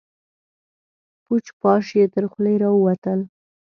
پوچ، پاش يې تر خولې راوتل.